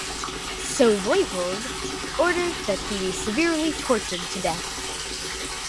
So Voivode ordered that he be severely tortured to death.